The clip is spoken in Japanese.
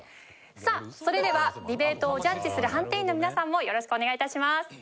さあそれではディベートをジャッジする判定員の皆さんもよろしくお願い致します。